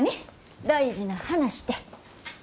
大事な話て。